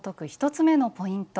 １つ目のポイント。